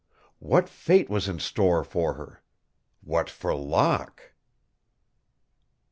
What fate was in store for her what for Locke?